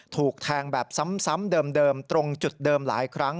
ถูกแทงแบบซ้ำเดิมตรงจุดเดิมหลายครั้ง